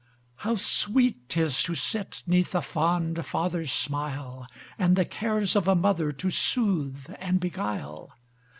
How sweet 'tis to sit 'neath a fond father's smile, And the cares of a mother to soothe and beguile!